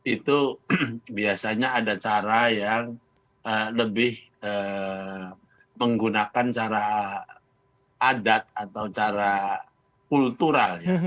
itu biasanya ada cara yang lebih menggunakan cara adat atau cara kultural ya